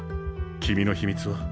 君の秘密は？